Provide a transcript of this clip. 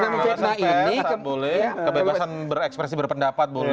kebebasan pers boleh kebebasan berekspresi berpendapat boleh